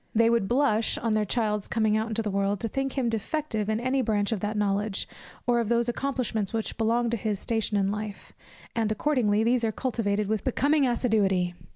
They would blush, on their child's coming out into the world, to think him defective in any branch of that knowledge, or of those accomplishments which belong to his station in life, and accordingly these are cultivated with becoming assiduity.